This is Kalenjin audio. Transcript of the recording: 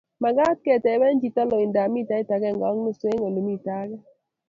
mekat kotebe chito loindab mitait agenge ak nusu eng' ole mito age